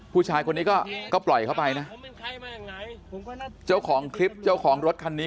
ผู้ชายคนนี้ก็ก็ปล่อยเข้าไปนะเจ้าของคลิปเจ้าของรถคันนี้